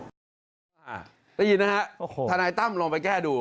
ได้ยินนะฮะธนายตั้มลองไปแก้ดู